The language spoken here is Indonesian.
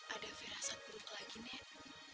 ada firasat buruk lagi nih